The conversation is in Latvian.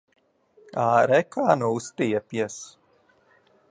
Āre, kā nu uztiepjas!